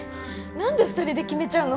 何で２人で決めちゃうの？